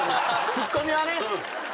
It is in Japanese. ツッコミはね。